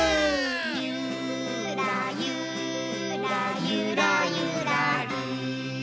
「ゆーらゆーらゆらゆらりー」